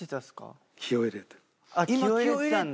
あっ気を入れてたんだ。